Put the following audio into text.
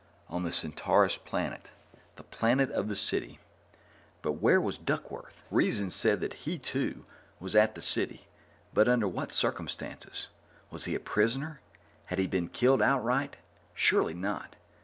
On the Centaurus planet the planet of the City. But where was Duckworth? Reason said that he, too, was at the City, but under what circumstances? Was he a prisoner? Had he been killed outright? Surely not.